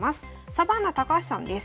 サバンナ高橋さんです。